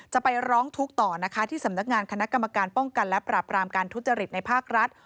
จะไปร้องทุกข์ต่อนะคะที่สำนักงานคณะกรรมการป้องกันและปราบรามการทุจริตในภาครัฐ